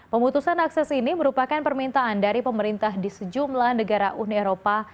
pemutusan akses ini merupakan permintaan dari pemerintah di sejumlah negara uni eropa